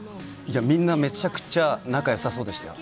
みんなめちゃくちゃ仲良さそうでしたよ。